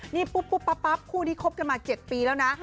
นี่ปุ๊บปั๊บคู่นี้คบกันมา๗ปีแล้วนะ